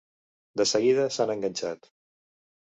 De seguida s'han enganxat.